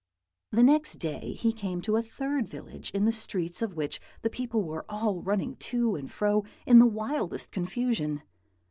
"The next day he came to a third village in the streets of which the people were all running to and fro in the wildest confusion.